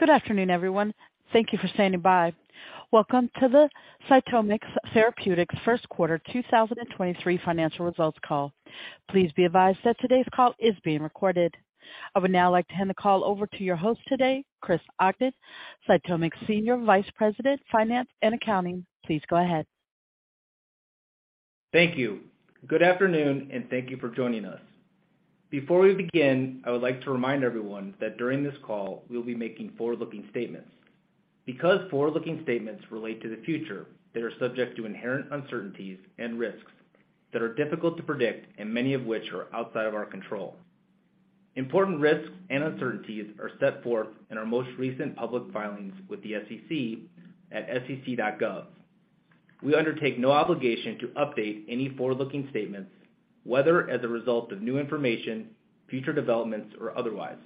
Good afternoon, everyone. Thank you for standing by. Welcome to the CytomX Therapeutics first quarter 2023 financial results call. Please be advised that today's call is being recorded. I would now like to hand the call over to your host today, Chris Ogden, CytomX Senior Vice President, Finance and Accounting. Please go ahead. Thank you. Good afternoon, and thank you for joining us. Before we begin, I would like to remind everyone that during this call, we'll be making forward-looking statements. Because forward-looking statements relate to the future, they are subject to inherent uncertainties and risks that are difficult to predict and many of which are outside of our control. Important risks and uncertainties are set forth in our most recent public filings with the SEC at sec.gov. We undertake no obligation to update any forward-looking statements, whether as a result of new information, future developments, or otherwise.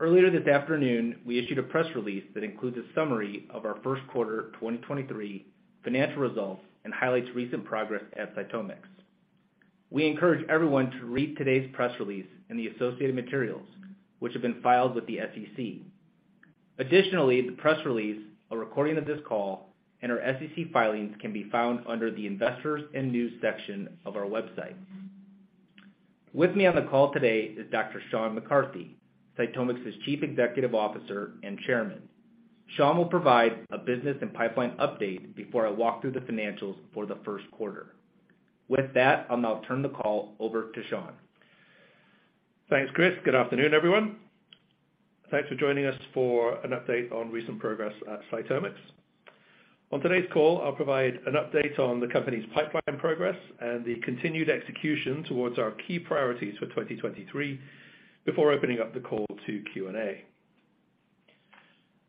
Earlier this afternoon, we issued a press release that includes a summary of our first quarter 2023 financial results and highlights recent progress at CytomX. We encourage everyone to read today's press release and the associated materials which have been filed with the SEC. The press release, a recording of this call, and our SEC filings can be found under the Investors and News section of our website. With me on the call today is Dr. Sean McCarthy, CytomX's Chief Executive Officer and Chairman. Sean will provide a business and pipeline update before I walk through the financials for the first quarter. I'll now turn the call over to Sean. Thanks, Chris. Good afternoon, everyone. Thanks for joining us for an update on recent progress at CytomX. On today's call, I'll provide an update on the company's pipeline progress and the continued execution towards our key priorities for 2023 before opening up the call to Q&A.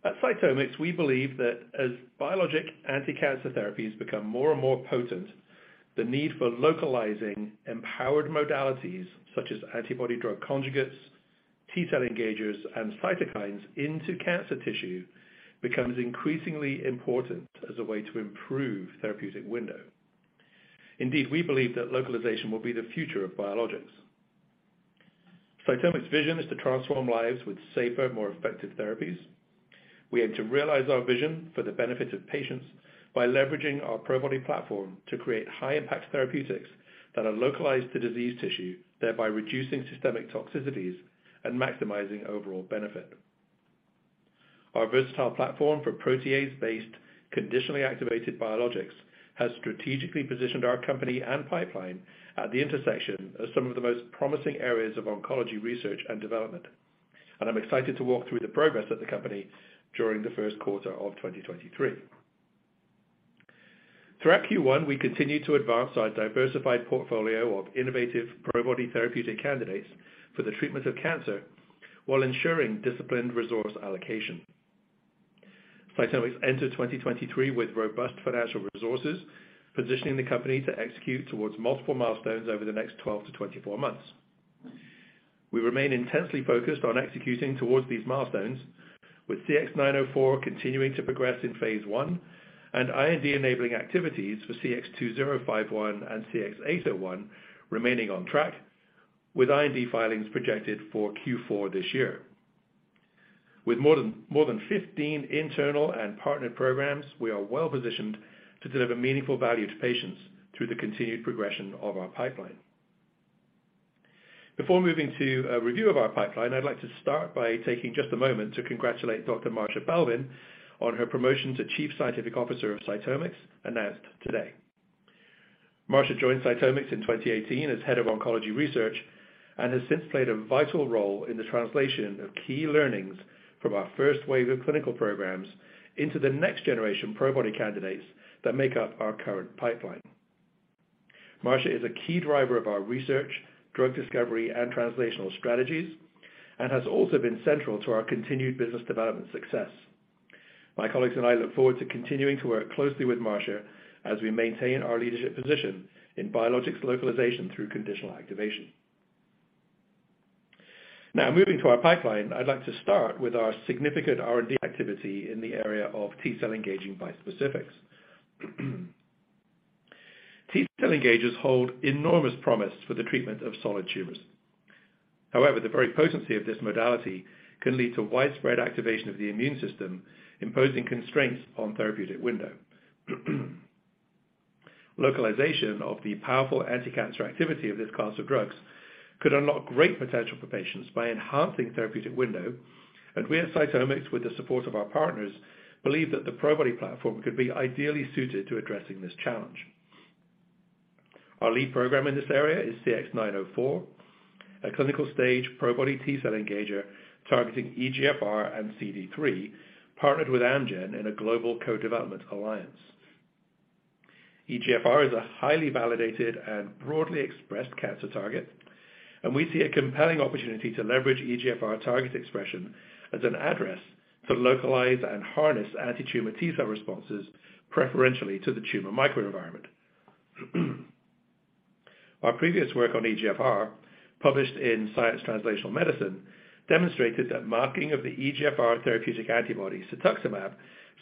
At CytomX, we believe that as biologic anti-cancer therapies become more and more potent, the need for localizing empowered modalities such as antibody-drug conjugates, T-cell engagers, and cytokines into cancer tissue becomes increasingly important as a way to improve therapeutic window. Indeed, we believe that localization will be the future of biologics. CytomX's vision is to transform lives with safer, more effective therapies. We aim to realize our vision for the benefit of patients by leveraging our Probody platform to create high-impact therapeutics that are localized to disease tissue, thereby reducing systemic toxicities and maximizing overall benefit. Our versatile platform for protease-based, conditionally activated biologics has strategically positioned our company and pipeline at the intersection of some of the most promising areas of oncology research and development. I'm excited to walk through the progress of the company during the first quarter of 2023. Throughout Q1, we continued to advance our diversified portfolio of innovative Probody therapeutic candidates for the treatment of cancer while ensuring disciplined resource allocation. CytomX entered 2023 with robust financial resources, positioning the company to execute towards multiple milestones over the next 12 to 24 months. We remain intensely focused on executing towards these milestones with CX-904 continuing to progress in phase I and IND-enabling activities for CX-2051 and CX-801 remaining on track with IND filings projected for Q4 this year. With more than 15 internal and partnered programs, we are well-positioned to deliver meaningful value to patients through the continued progression of our pipeline. Before moving to a review of our pipeline, I'd like to start by taking just a moment to congratulate Dr. Marcia Belvin on her promotion to Chief Scientific Officer of CytomX, announced today. Marcia joined CytomX in 2018 as Head of Oncology Research and has since played a vital role in the translation of key learnings from our first wave of clinical programs into the next generation Probody candidates that make up our current pipeline. Marcia is a key driver of our research, drug discovery, and translational strategies, and has also been central to our continued business development success. My colleagues and I look forward to continuing to work closely with Marcia as we maintain our leadership position in biologics localization through conditional activation. Now, moving to our pipeline, I'd like to start with our significant R&D activity in the area of T-cell engaging bispecifics. T-cell engagers hold enormous promise for the treatment of solid tumors. However, the very potency of this modality can lead to widespread activation of the immune system, imposing constraints on therapeutic window. Localization of the powerful anti-cancer activity of this class of drugs could unlock great potential for patients by enhancing therapeutic window, and we at CytomX Therapeutics, with the support of our partners, believe that the Probody platform could be ideally suited to addressing this challenge. Our lead program in this area is CX-904, a clinical stage Probody T-cell engager targeting EGFR and CD3, partnered with Amgen in a global co-development alliance. EGFR is a highly validated and broadly expressed cancer target, and we see a compelling opportunity to leverage EGFR target expression as an address to localize and harness antitumor T-cell responses preferentially to the tumor microenvironment. Our previous work on EGFR, published in Science Translational Medicine, demonstrated that masking of the EGFR therapeutic antibody cetuximab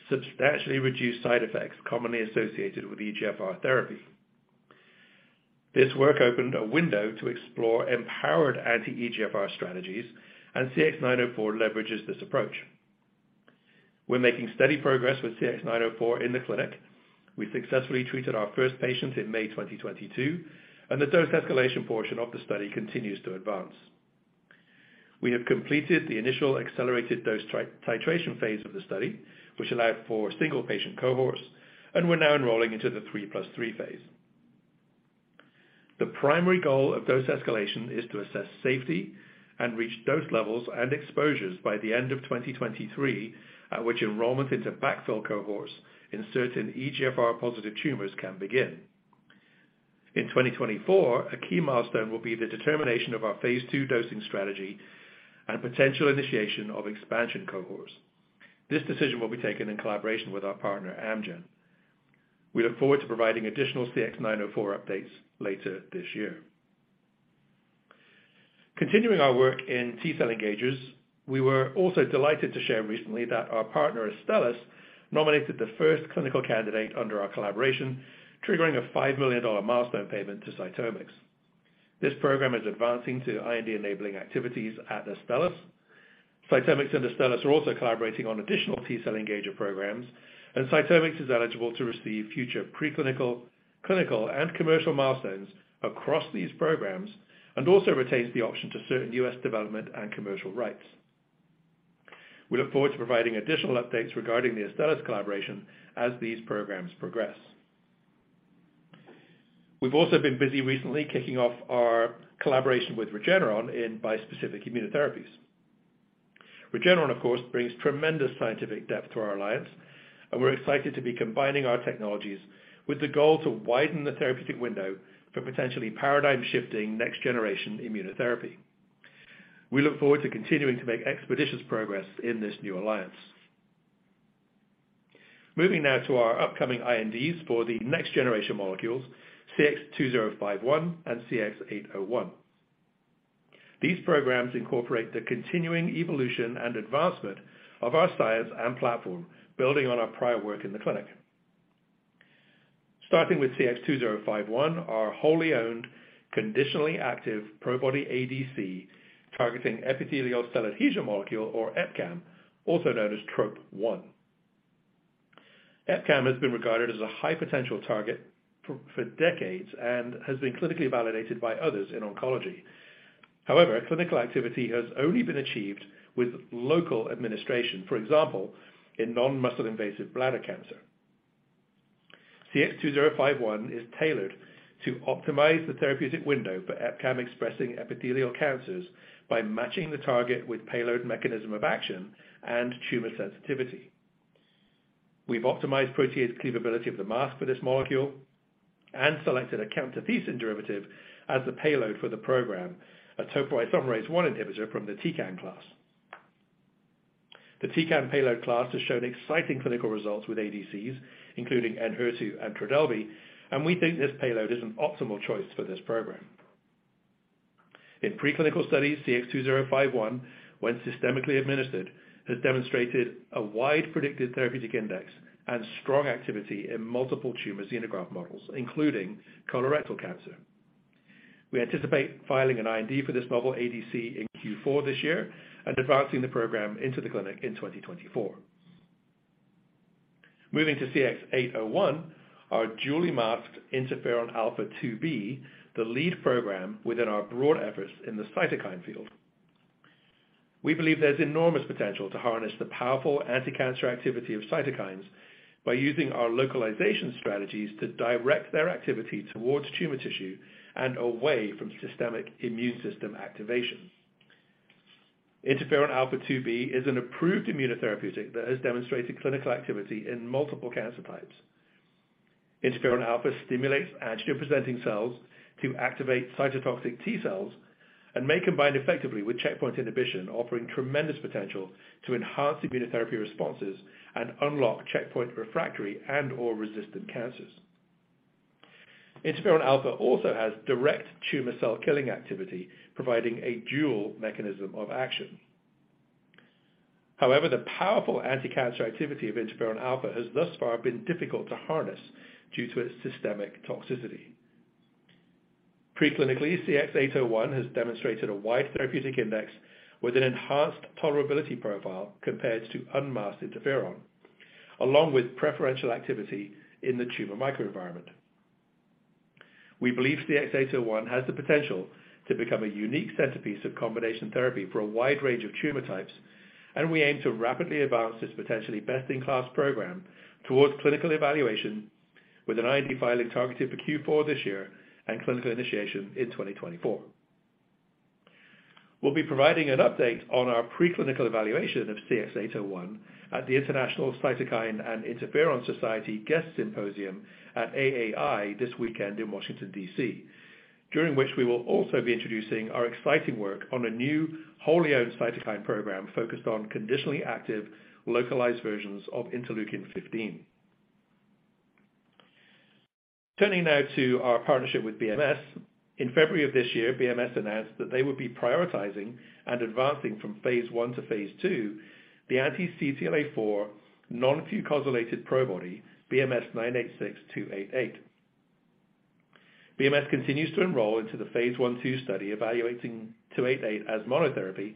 substantially reduced side effects commonly associated with EGFR therapy. This work opened a window to explore empowered anti-EGFR strategies, and CX-904 leverages this approach. We're making steady progress with CX-904 in the clinic. We successfully treated our first patient in May 2022, and the dose escalation portion of the study continues to advance. We have completed the initial accelerated dose titration phase of the study, which allowed for a single patient cohorts, and we're now enrolling into the 3+3 phase. The primary goal of dose escalation is to assess safety and reach dose levels and exposures by the end of 2023, at which enrollment into backfill cohorts in certain EGFR-positive tumors can begin. In 2024, a key milestone will be the determination of our phase II dosing strategy and potential initiation of expansion cohorts. This decision will be taken in collaboration with our partner, Amgen. We look forward to providing additional CX-904 updates later this year. Continuing our work in T-cell engagers, we were also delighted to share recently that our partner, Astellas, nominated the first clinical candidate under our collaboration, triggering a $5 million milestone payment to CytomX. This program is advancing to IND-enabling activities at Astellas. CytomX and Astellas are also collaborating on additional T-cell engager programs, and CytomX is eligible to receive future preclinical, clinical, and commercial milestones across these programs and also retains the option to certain U.S. development and commercial rights. We look forward to providing additional updates regarding the Astellas collaboration as these programs progress. We've also been busy recently kicking off our collaboration with Regeneron in bispecific immunotherapies. Regeneron, of course, brings tremendous scientific depth to our alliance, and we're excited to be combining our technologies with the goal to widen the therapeutic window for potentially paradigm-shifting next-generation immunotherapy. We look forward to continuing to make expeditious progress in this new alliance. Moving now to our upcoming INDs for the next-generation molecules, CX-2051 and CX-801. These programs incorporate the continuing evolution and advancement of our science and platform, building on our prior work in the clinic. Starting with CX-2051, our wholly owned conditionally active Probody ADC targeting epithelial cell adhesion molecule or EpCAM, also known as TROP-1. EpCAM has been regarded as a high-potential target for decades and has been clinically validated by others in oncology. Clinical activity has only been achieved with local administration, for example, in non-muscle invasive bladder cancer. CX-2051 is tailored to optimize the therapeutic window for EpCAM-expressing epithelial cancers by matching the target with payload mechanism of action and tumor sensitivity. We've optimized protease cleavability of the mask for this molecule and selected a camptothecin derivative as the payload for the program, a topoisomerase I inhibitor from the camptothecin class. The camptothecin payload class has shown exciting clinical results with ADCs, including ENHERTU and TRODELVY. We think this payload is an optimal choice for this program. In preclinical studies, CX-2051, when systemically administered, has demonstrated a wide predicted therapeutic index and strong activity in multiple tumor xenograft models, including colorectal cancer. We anticipate filing an IND for this novel ADC in Q4 this year and advancing the program into the clinic in 2024. Moving to CX-801, our duly masked interferon alpha-2b, the lead program within our broad efforts in the cytokine field. We believe there's enormous potential to harness the powerful anticancer activity of cytokines by using our localization strategies to direct their activity towards tumor tissue and away from systemic immune system activation. Interferon alpha-2b is an approved immunotherapeutic that has demonstrated clinical activity in multiple cancer types. Interferon alpha stimulates antigen-presenting cells to activate cytotoxic T-cells and may combine effectively with checkpoint inhibition, offering tremendous potential to enhance immunotherapy responses and unlock checkpoint refractory and/or resistant cancers. Interferon alpha also has direct tumor cell killing activity, providing a dual mechanism of action. The powerful anticancer activity of interferon alpha has thus far been difficult to harness due to its systemic toxicity. Preclinically, CX-801 has demonstrated a wide therapeutic index with an enhanced tolerability profile compared to unmasked interferon, along with preferential activity in the tumor microenvironment. We believe CX-801 has the potential to become a unique centerpiece of combination therapy for a wide range of tumor types, and we aim to rapidly advance this potentially best-in-class program towards clinical evaluation with an IND filing targeted for Q4 this year and clinical initiation in 2024. We'll be providing an update on our preclinical evaluation of CX-801 at the International Cytokine and Interferon Society Guest Symposium at AAI this weekend in Washington, D.C., during which we will also be introducing our exciting work on a new wholly owned cytokine program focused on conditionally active, localized versions of interleukin-15. Turning now to our partnership with BMS. In February of this year, BMS announced that they would be prioritizing and advancing from phase I to phase II the anti-CTLA-4 non-fucosylated Probody, BMS-986288. BMS continues to enroll into the phase I/II study evaluating 288 as monotherapy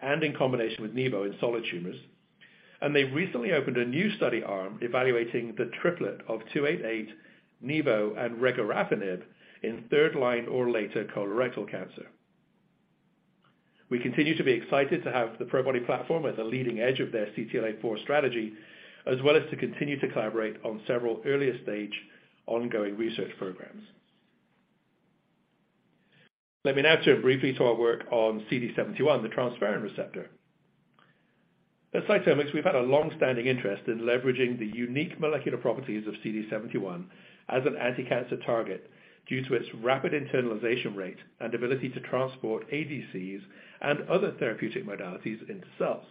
and in combination with nivo in solid tumors. They've recently opened a new study arm evaluating the triplet of 288 nivo and regorafenib in third line or later colorectal cancer. We continue to be excited to have the Probody platform at the leading edge of their CTLA-4 strategy, as well as to continue to collaborate on several earlier stage ongoing research programs. Let me now turn briefly to our work on CD71, the transferrin receptor. At CytomX Therapeutics, we've had a long-standing interest in leveraging the unique molecular properties of CD71 as an anticancer target due to its rapid internalization rate and ability to transport ADCs and other therapeutic modalities into cells.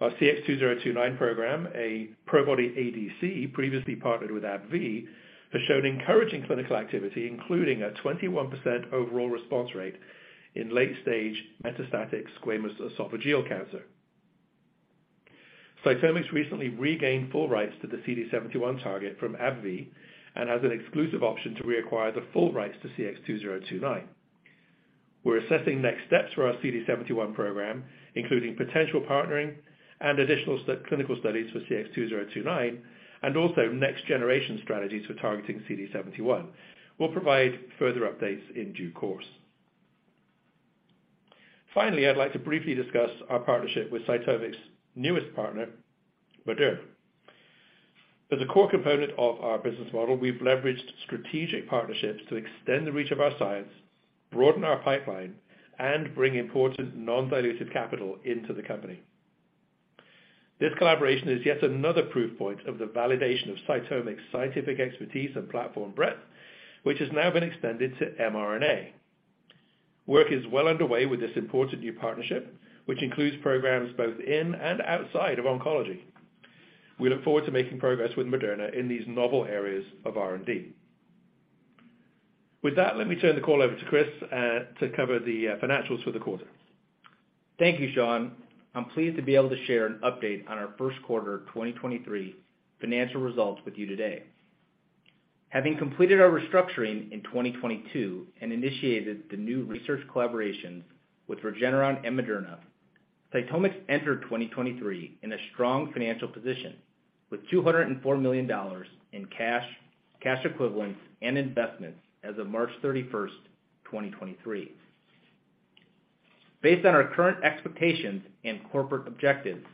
Our CX-2029 program, a Probody ADC previously partnered with AbbVie, has shown encouraging clinical activity, including a 21% overall response rate in late stage metastatic squamous esophageal cancer. CytomX Therapeutics recently regained full rights to the CD71 target from AbbVie and has an exclusive option to reacquire the full rights to CX-2029. We're assessing next steps for our CD71 program, including potential partnering and additional clinical studies for CX-2029 and also next generation strategies for targeting CD71. We'll provide further updates in due course. I'd like to briefly discuss our partnership with CytomX newest partner, Moderna. As a core component of our business model, we've leveraged strategic partnerships to extend the reach of our science, broaden our pipeline, and bring important non-dilutive capital into the company. This collaboration is yet another proof point of the validation of CytomX scientific expertise and platform breadth, which has now been extended to mRNA. Work is well underway with this important new partnership, which includes programs both in and outside of oncology. We look forward to making progress with Moderna in these novel areas of R&D. With that, let me turn the call over to Chris, to cover the financials for the quarter. Thank you, Sean. I'm pleased to be able to share an update on our first quarter 2023 financial results with you today. Having completed our restructuring in 2022 and initiated the new research collaborations with Regeneron and Moderna, CytomX entered 2023 in a strong financial position with $204 million in cash equivalents, and investments as of March 31st, 2023. Based on our current expectations and corporate objectives,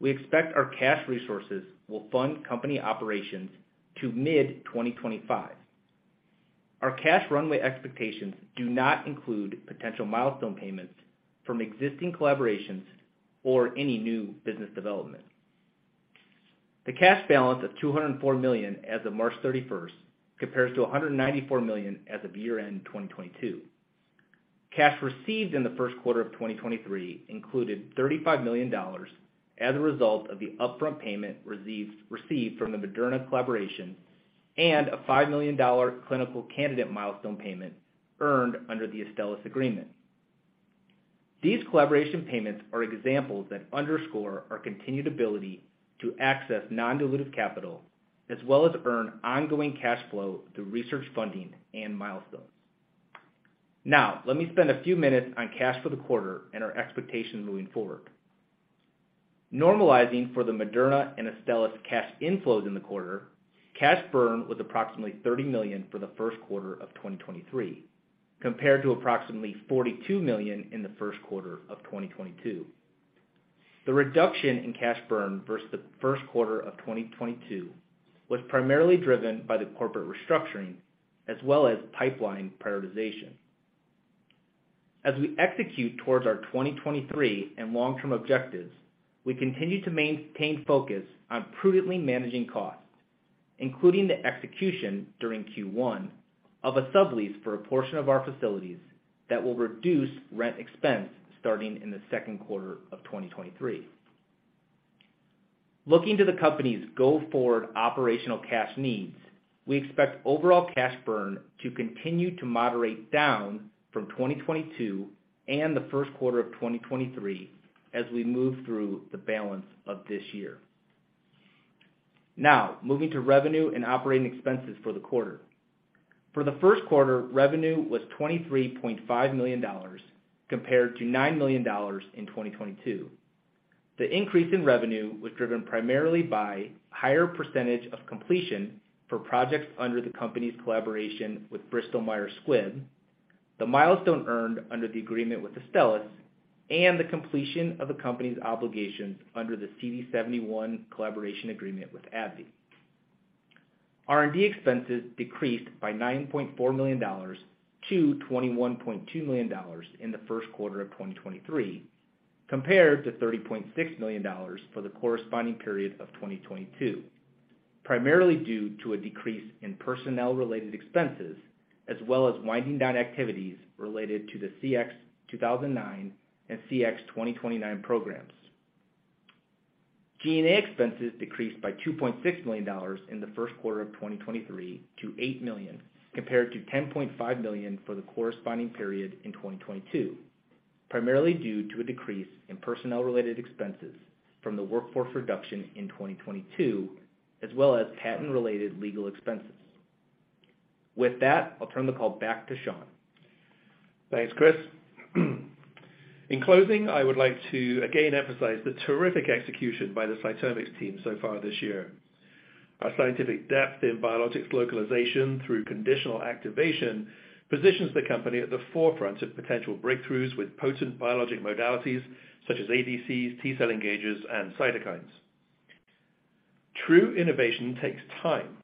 we expect our cash resources will fund company operations to mid 2025. Our cash runway expectations do not include potential milestone payments from existing collaborations or any new business development. The cash balance of $204 million as of March 31st compares to $194 million as of year-end 2022. Cash received in the first quarter of 2023 included $35 million as a result of the upfront payment received from the Moderna collaboration and a $5 million clinical candidate milestone payment earned under the Astellas agreement. These collaboration payments are examples that underscore our continued ability to access non-dilutive capital as well as earn ongoing cash flow through research funding and milestones. Let me spend a few minutes on cash for the quarter and our expectations moving forward. Normalizing for the Moderna and Astellas cash inflows in the quarter, cash burn was approximately $30 million for the first quarter of 2023, compared to approximately $42 million in the first quarter of 2022. The reduction in cash burn versus the first quarter of 2022 was primarily driven by the corporate restructuring as well as pipeline prioritization. As we execute towards our 2023 and long-term objectives, we continue to maintain focus on prudently managing costs, including the execution during Q1 of a sublease for a portion of our facilities that will reduce rent expense starting in the second quarter of 2023. Looking to the company's go-forward operational cash needs, we expect overall cash burn to continue to moderate down from 2022 and the first quarter of 2023 as we move through the balance of this year. Moving to revenue and operating expenses for the quarter. For the first quarter, revenue was $23.5 million, compared to $9 million in 2022. The increase in revenue was driven primarily by higher percentage of completion for projects under the company's collaboration with Bristol Myers Squibb, the milestone earned under the agreement with Astellas, and the completion of the company's obligations under the CD71 collaboration agreement with AbbVie. R&D expenses decreased by $9.4 million-$21.2 million in the first quarter of 2023, compared to $30.6 million for the corresponding period of 2022, primarily due to a decrease in personnel-related expenses as well as winding down activities related to the CX-2009 and CX-2029 programs. G&A expenses decreased by $2.6 million in the first quarter of 2023 to $8 million, compared to $10.5 million for the corresponding period in 2022. Primarily due to a decrease in personnel-related expenses from the workforce reduction in 2022 as well as patent-related legal expenses. With that, I'll turn the call back to Sean. Thanks, Chris. In closing, I would like to again emphasize the terrific execution by the CytomX team so far this year. Our scientific depth in biologics localization through conditional activation positions the company at the forefront of potential breakthroughs with potent biologic modalities such as ADCs, T-cell engagers, and cytokines. True innovation takes time.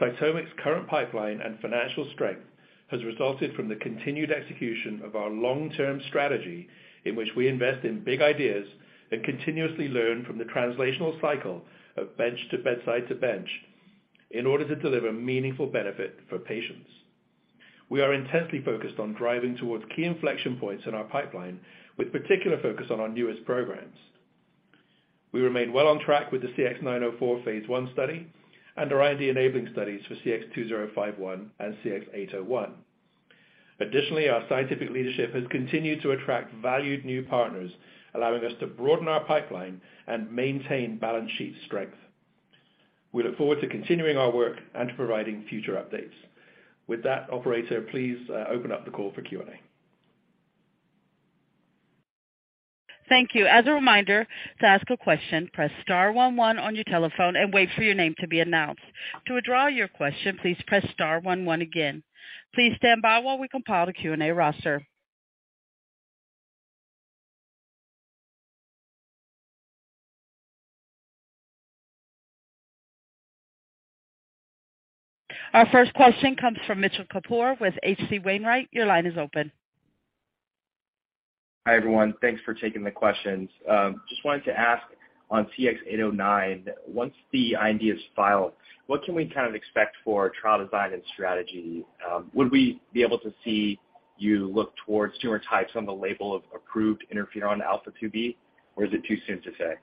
CytomX current pipeline and financial strength has resulted from the continued execution of our long-term strategy in which we invest in big ideas and continuously learn from the translational cycle of bench to bedside to bench in order to deliver meaningful benefit for patients. We are intensely focused on driving towards key inflection points in our pipeline, with particular focus on our newest programs. We remain well on track with the CX-904 phase I study and our IND-enabling studies for CX-2051 and CX-801. Our scientific leadership has continued to attract valued new partners, allowing us to broaden our pipeline and maintain balance sheet strength. We look forward to continuing our work and to providing future updates. With that operator, please, open up the call for Q&A. Thank you. As a reminder, to ask a question, press star one one on your telephone and wait for your name to be announced. To withdraw your question, please press star one one again. Please stand by while we compile the Q&A roster. Our first question comes from Mitchell Kapoor with H.C. Wainwright. Your line is open. Hi, everyone. Thanks for taking the questions. Just wanted to ask on CX-809, once the IND is filed, what can we kind of expect for trial design and strategy? Would we be able to see you look towards tumor types on the label of approved interferon alpha-2b, or is it too soon to say?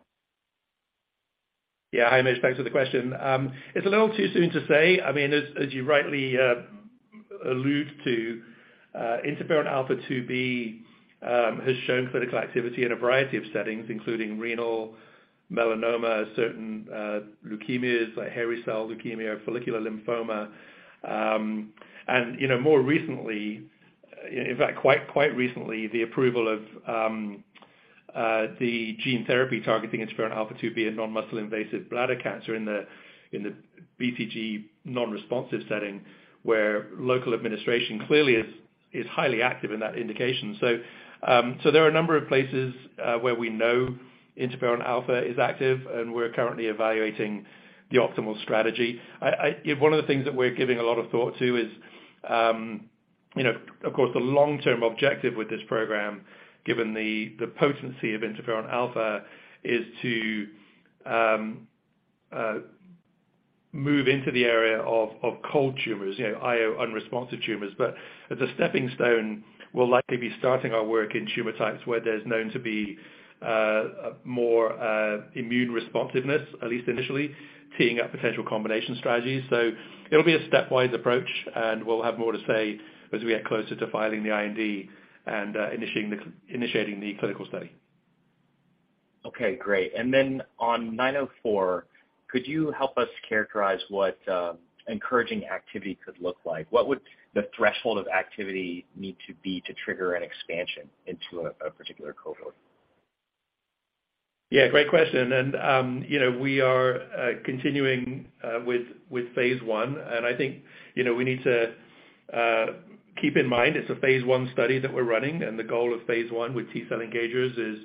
Hi, Mitch. Thanks for the question. It's a little too soon to say. I mean, as you rightly allude to, interferon alpha-2b has shown clinical activity in a variety of settings, including renal melanoma, certain leukemias like hairy cell leukemia, follicular lymphoma. You know, more recently, in fact, quite recently, the approval of the gene therapy targeting interferon alpha-2b in non-muscle invasive bladder cancer in the BCG non-responsive setting, where local administration is highly active in that indication. There are a number of places where we know interferon alpha is active, and we're currently evaluating the optimal strategy. You know, one of the things that we're giving a lot of thought to is, you know, of course, the long-term objective with this program, given the potency of interferon alpha is to move into the area of cold tumors, you know, IO unresponsive tumors. As a stepping stone, we'll likely be starting our work in tumor types where there's known to be more immune responsiveness, at least initially, teeing up potential combination strategies. It'll be a stepwise approach, and we'll have more to say as we get closer to filing the IND and initiating the clinical study. Okay, great. On CX-904, could you help us characterize what a encouraging activity could look like? What would the threshold of activity need to be to trigger an expansion into a particular cohort? Yeah, great question. You know, we are continuing with phase I. I think, you know, we need to keep in mind it's a phase I study that we're running, and the goal of phase I with T-cell engagers is,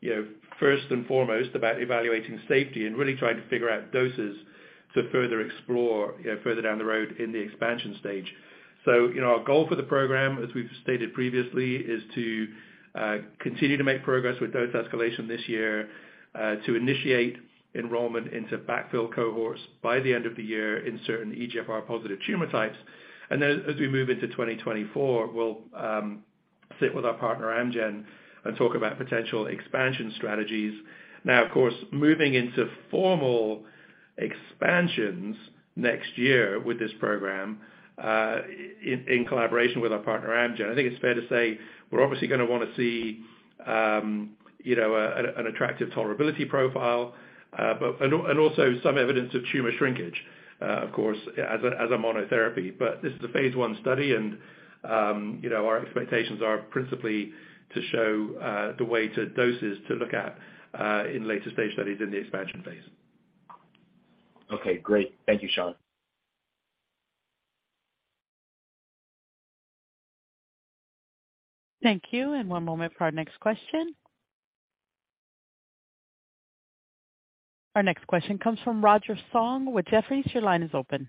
you know, first and foremost about evaluating safety and really trying to figure out doses to further explore, you know, further down the road in the expansion stage. You know, our goal for the program, as we've stated previously, is to continue to make progress with dose escalation this year, to initiate enrollment into backfill cohorts by the end of the year in certain EGFR-positive tumor types. As we move into 2024, we'll sit with our partner Amgen and talk about potential expansion strategies. Of course, moving into formal expansions next year with this program, in collaboration with our partner Amgen, I think it's fair to say we're obviously gonna wanna see, you know, an attractive tolerability profile, but and also some evidence of tumor shrinkage, of course, as a monotherapy. This is a phase I study and, you know, our expectations are principally to show the way to doses to look at in later stage studies in the expansion phase. Okay, great. Thank you, Sean. Thank you. One moment for our next question. Our next question comes from Roger Song with Jefferies. Your line is open.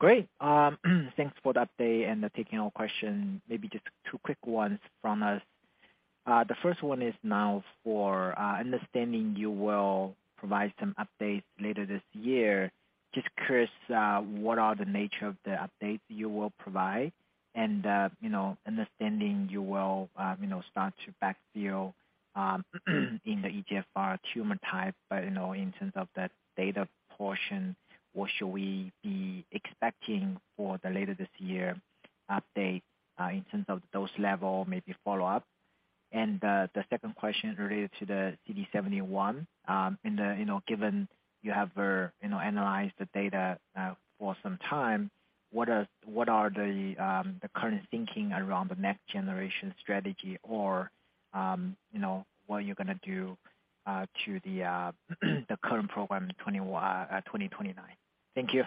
Great. Thanks for the update and taking our question. Maybe just two quick ones from us. The first one is now for understanding you will provide some updates later this year. Just curious, what are the nature of the updates you will provide? You know, understanding you will, you know, start to backfill in the EGFR tumor type, but, you know, in terms of the data portion, what should we be expecting for the later this year update, in terms of dose level, maybe follow-up? The second question related to the CD71. In the, you know, given you have, you know, analyzed the data, for some time, what are the current thinking around the next generation strategy or, you know, what you're gonna do to the current program 21, CX-2029? Thank you.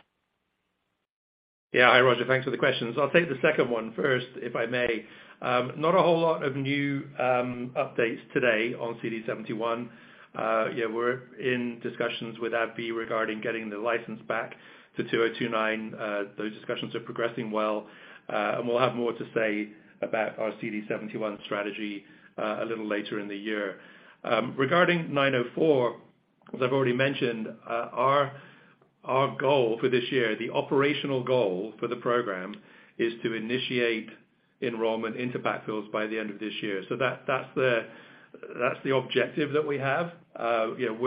Hi, Roger. Thanks for the questions. I'll take the second one first, if I may. Not a whole lot of new updates today on CD71. We're in discussions with AbbVie regarding getting the license back to 2029. Those discussions are progressing well. We'll have more to say about our CD71 strategy a little later in the year. Regarding 904, as I've already mentioned, our goal for this year, the operational goal for the program is to initiate enrollment into backfills by the end of this year. That's the objective that we have. You know,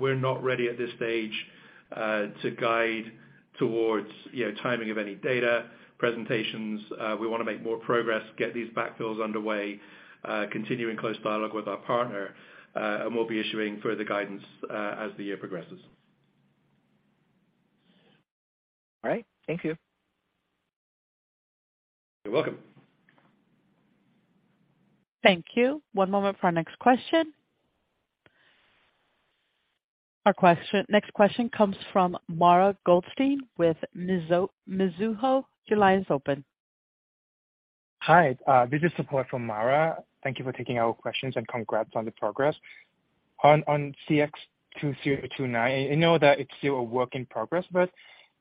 we're not ready at this stage to guide towards, you know, timing of any data presentations. We want to make more progress, get these backfills underway, continue in close dialogue with our partner, and we'll be issuing further guidance as the year progresses. All right. Thank you. You're welcome. Thank you. One moment for our next question. Our next question comes from Mara Goldstein with Mizuho. Your line is open. Hi. This is support from Mara. Thank you for taking our questions and congrats on the progress. On CX-2029, I know that it's still a work in progress, but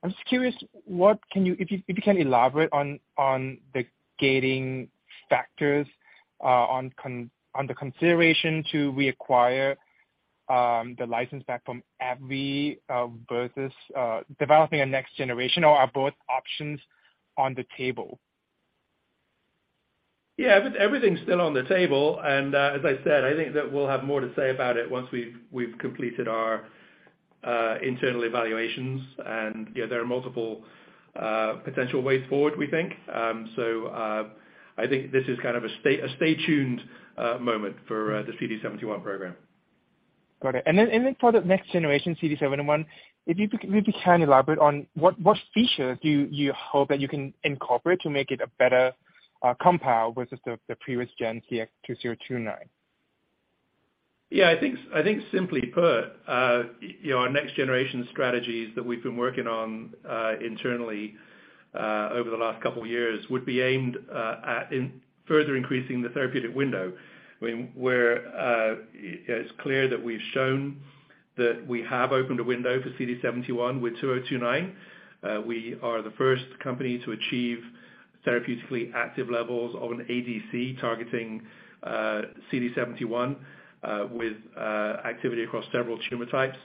I'm just curious, what can you if you can elaborate on the gating factors under consideration to reacquire the license back from AbbVie versus developing a next generation? Or are both options on the table? Yeah. Everything's still on the table, as I said, I think that we'll have more to say about it once we've completed our internal evaluations. You know, there are multiple potential ways forward, we think. I think this is kind of a stay tuned moment for the CD71 program. Got it. Then for the next generation CD71, if you can elaborate on what features do you hope that you can incorporate to make it a better compound versus the previous gen CX-2029? Yeah. I think simply put, you know, our next generation strategies that we've been working on internally over the last couple years would be aimed at in further increasing the therapeutic window. I mean, we're, it's clear that we've shown that we have opened a window for CD71 with CX-2029. We are the first company to achieve therapeutically active levels of an ADC targeting CD71 with activity across several tumor types.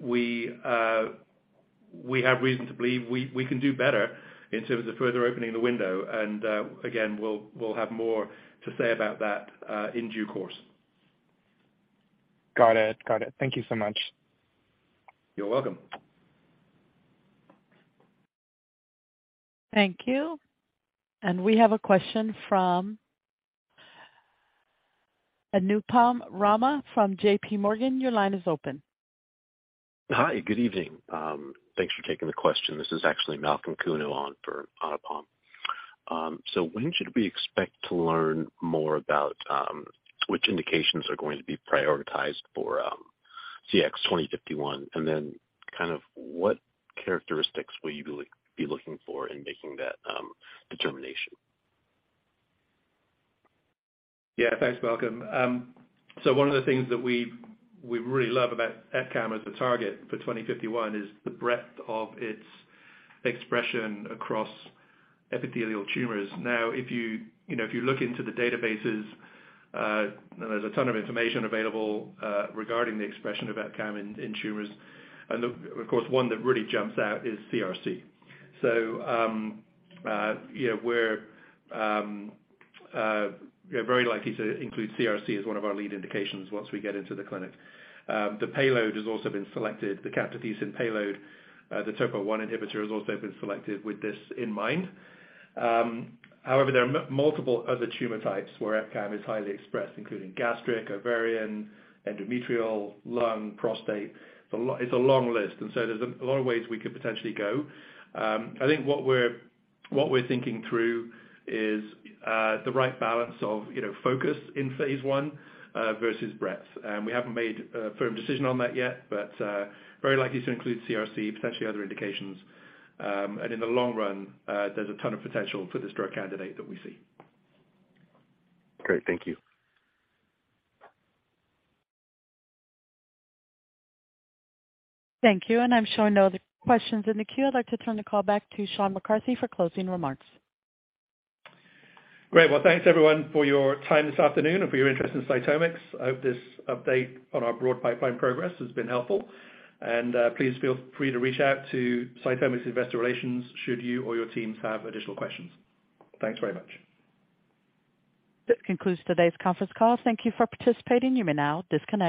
We have reason to believe we can do better in terms of further opening the window and again, we'll have more to say about that in due course. Got it. Got it. Thank you so much. You're welcome. Thank you. We have a question from Anupam Rama from J.P. Morgan. Your line is open. Hi. Good evening. Thanks for taking the question. This is actually Malcolm Kuno on for Anupam. When should we expect to learn more about which indications are going to be prioritized for CX-2051? What characteristics will you be looking for in making that determination? Thanks, Malcolm. One of the things that we really love about EpCAM as a target for CX-2051 is the breadth of its expression across epithelial tumors. If you know, if you look into the databases, there's a ton of information available regarding the expression of EpCAM in tumors. Of course, one that really jumps out is CRC. You know, we're very likely to include CRC as one of our lead indications once we get into the clinic. The payload has also been selected, the camptothecin payload. The TOPO1 inhibitor has also been selected with this in mind. There are multiple other tumor types where EpCAM is highly expressed, including gastric, ovarian, endometrial, lung, prostate. It's a long list, there's a lot of ways we could potentially go. I think what we're thinking through is the right balance of, you know, focus in phase I versus breadth. We haven't made a firm decision on that yet, but very likely to include CRC, potentially other indications. In the long run, there's a ton of potential for this drug candidate that we see. Great. Thank you. Thank you. I'm showing no other questions in the queue. I'd like to turn the call back to Sean McCarthy for closing remarks. Great. Well, thanks everyone for your time this afternoon and for your interest in CytomX. I hope this update on our broad pipeline progress has been helpful. Please feel free to reach out to CytomX investor relations should you or your teams have additional questions. Thanks very much. This concludes today's conference call. Thank you for participating. You may now disconnect.